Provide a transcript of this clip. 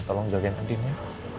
tolong jagain andin ya